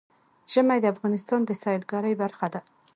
ژمی د افغانستان د سیلګرۍ برخه ده.